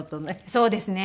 そうですね。